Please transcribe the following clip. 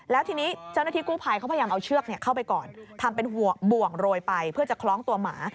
แล้วทีนี้เจ้าหน้าที่กู้ภัยเขาพยายามเอาเชือกเข้าไปก่อนทำเป็นห่วงบ่วงโรยไปเพื่อจะคล้องตัวหมา